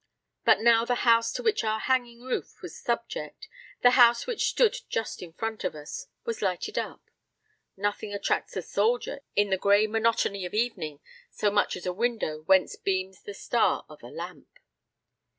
But now the house to which our hanging roof was subject, the house which stood just in front of us, was lighted up. Nothing attracts a soldier in the gray monotony of evening so much as a window whence beams the star of a lamp.